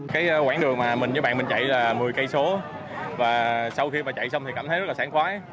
cái quảng đường mà mình với bạn mình chạy là một mươi km và sau khi mà chạy xong thì cảm thấy rất là sáng khoái